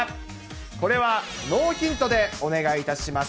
これはノーヒントでお願いいたします。